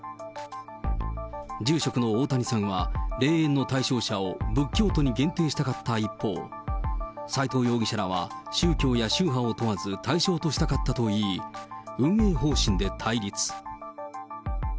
住職の大谷さんは、霊園の対象者を仏教徒に限定したかった一方、斎藤容疑者らは宗教や宗派を問わず対象としたかったといい、運営方針で対立。